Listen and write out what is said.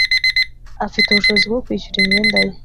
afite ubushobozi bwo kwishyura imyenda ye